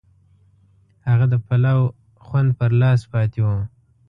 هغه د پلاو خوند پر لاس پاتې و.